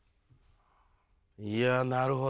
いやなるほど。